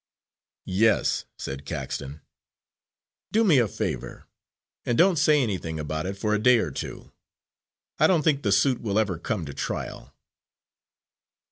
"Yes," said Caxton. "Do me a favour, and don't say anything about it for a day or two. I don't think the suit will ever come to trial."